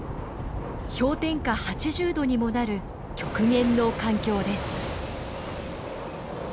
氷点下８０度にもなる極限の環境です。